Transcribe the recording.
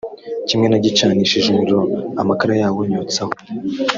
kimwe nagicanishije umuriro amakara yawo nyotsaho